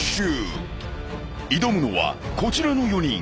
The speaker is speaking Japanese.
［挑むのはこちらの４人］